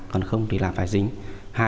còn không thì là phải dính